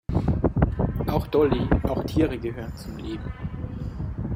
Auch Dolly, auch Tiere gehören zum Leben.